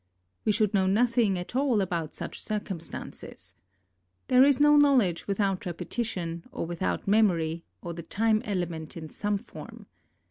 We should know nothing at all about such circumstances. There is no knowledge without repetition, or without memory, or the time element in some form.